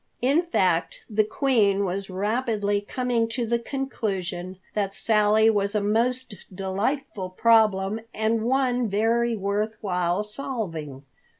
In fact, the Queen was rapidly coming to the conclusion that Sally was a most delightful problem and one very worth while solving.